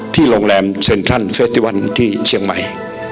โรงแรมเซ็นทรัลเฟสติวันที่เชียงใหม่